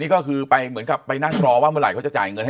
นี่ก็คือไปเหมือนกับไปนั่งรอว่าเมื่อไหร่เขาจะจ่ายเงินให้